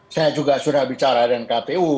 saya juga sudah bicara dengan kpu